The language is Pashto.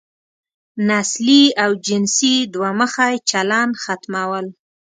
نسلي او جنسي دوه مخی چلن ختمول.